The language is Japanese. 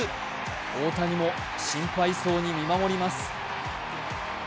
大谷も心配そうに見守ります。